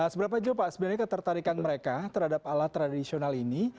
sebelumnya pak sebenarnya ketertarikan mereka terhadap alat tradisional ini